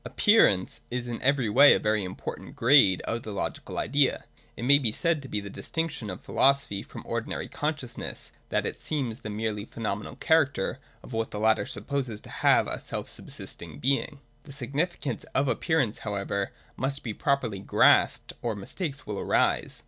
Appearance is in every way a very important grade of the logical idea. It may be said to be the distinction of philo sophy from ordinary consciousness that it sees the merely phenomenal character of what the latter supposes to have a self subsistent being. The significance of appearance how ever must be properly grasped, or mistakes will arise.